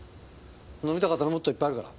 飲みたかったらもっといっぱいあるから。